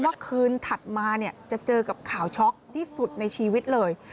เพราะวันคืนถัดมาจะเจอกับข่าวช็อกที่สุดในชีวิตเลย